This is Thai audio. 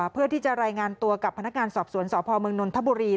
เพื่อที่จะรายงานตัวกับพนักงานสอบสวนสพเมืองนนทบุรี